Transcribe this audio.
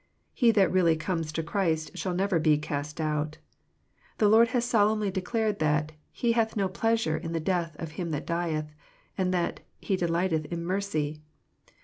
He that really comes to Christ shall never be " cast out." The Lord has solemnly declared that " He , hath no pleasure in the death of him that dieth," — and that •• He delighteth in mercy."